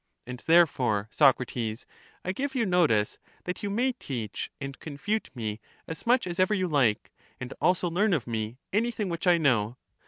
And therefore, Socrates, I give you notice that you may teach and confute me as much as ever you like, and also learn of me anything which I know.